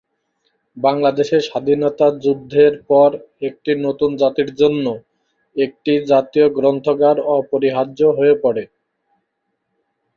বাংলাদেশের স্বাধীনতা যুদ্ধের পর, একটি নতুন জাতির জন্য একটি জাতীয় গ্রন্থাগার অপরিহার্য হয়ে পড়ে।